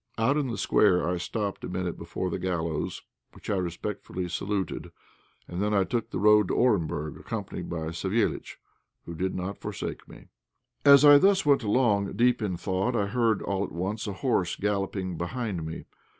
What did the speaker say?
Out in the Square I stopped a minute before the gallows, which I respectfully saluted, and I then took the road to Orenburg, accompanied by Savéliitch, who did not forsake me. As I thus went along, deep in thought, I heard all at once a horse galloping behind me.